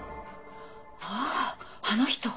あぁあの人。